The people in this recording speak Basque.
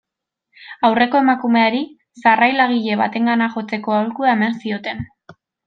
Aurreko emakumeari, sarrailagile batengana jotzeko aholkatu zioten.